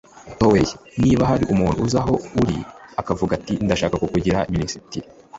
troway. niba hari umuntu uza aho uri akavuga ati ndashaka 'kukugira minisitiri